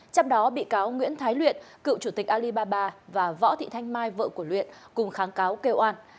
trong đó bị cáo nguyễn thái luyện cựu chủ tịch alibaba và võ thị thanh mai vợ của luyện cùng kháng cáo kêu an